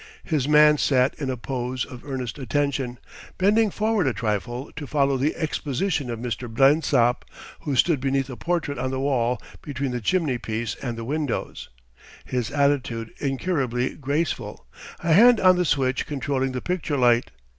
His man sat in a pose of earnest attention, bending forward a trifle to follow the exposition of Mr. Blensop, who stood beneath a portrait on the wall between the chimney piece and the windows, his attitude incurably graceful, a hand on the switch controlling the picture light.